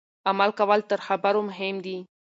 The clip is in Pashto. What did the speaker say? عمل کول تر خبرو مهم دي.